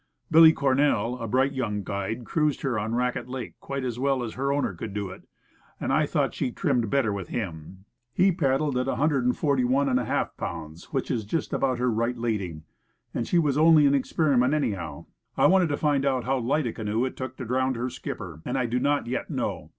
Billy Cornell, a bright young guide, cruised her on Raquette Lake quite as well as her owner could do it, and I thought she trimmed better with him. He paddled at 141^ pounds, which is just about her right lading. And she was only an ex periment, anyhow. I wanted to find out how light a canoe it took to drown her skipper, and I do not yet The Proper Craft, 137 know.